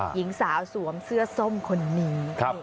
หญิงสาวสวมเสื้อส้มคนนี้